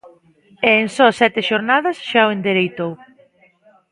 E en só sete xornadas xa o endereitou.